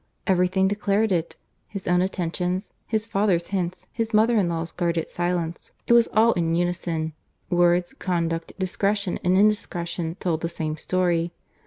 Every thing declared it; his own attentions, his father's hints, his mother in law's guarded silence; it was all in unison; words, conduct, discretion, and indiscretion, told the same story.